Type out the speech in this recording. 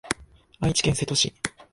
愛知県瀬戸市